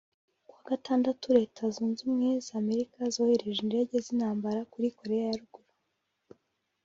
Ku wa Gatandatu Leta zunze ubumwe z’ Amerika yohereje indege z’ intambara kuri Koreya ya Ruguru